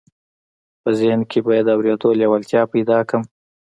په ذهن کې به یې د اورېدو لېوالتیا پیدا کړم